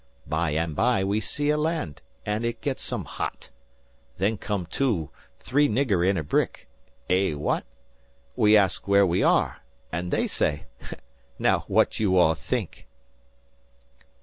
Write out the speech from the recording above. By and by we see a land, and it get some hot. Then come two, three nigger in a brick. Eh, wha at? We ask where we are, and they say now, what you all think?"